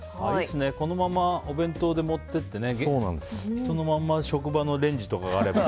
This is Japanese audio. このままお弁当で持って行ってねそのまんま職場のレンジとかあれば。